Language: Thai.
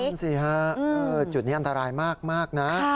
นั่นสิฮะจุดนี้อันตรายมากนะ